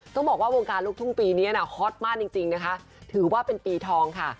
ต้องบอกว่าวงการลูกทุ่งปีนี้นะฮอตมากจริงนะคะถือว่าเป็นปีทองค่ะ